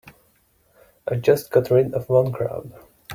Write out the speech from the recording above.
I just got rid of one crowd.